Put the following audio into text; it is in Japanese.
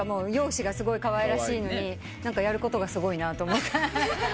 容姿がすごいかわいらしいのにやることがすごいなと思って。